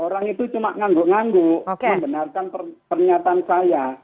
orang itu cuma nganggu ngangguk membenarkan pernyataan saya